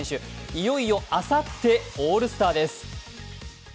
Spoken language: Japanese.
いよいよあさってオールスターです。